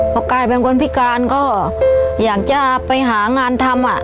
พอกลายเป็นคนพิการก็อยากจะไปหางานทำ